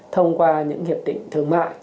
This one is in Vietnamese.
thông qua những hiệp định thương mại